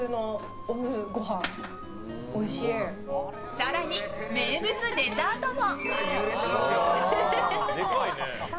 更に、名物デザートも。